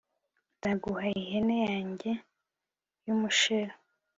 nzaguha ihene yanjye y'umusheru